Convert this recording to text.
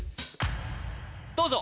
どうぞ！